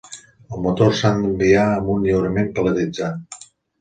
El motor s'ha d'enviar amb un lliurament paletitzat.